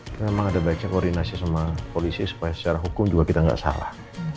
itu memang ada baiknya koordinasi sama polisi supaya secara hukum juga kita nggak salah